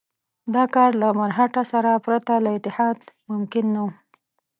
دا کار له مرهټه سره پرته له اتحاد ممکن نه وو.